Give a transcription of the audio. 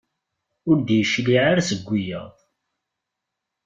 Ur d-yecliɛ ara seg wiyaḍ.